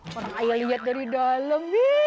kurang ayah lihat dari dalam